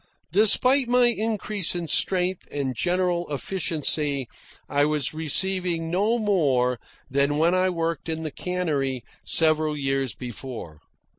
Despite my increase in strength and general efficiency, I was receiving no more than when I worked in the cannery several years before.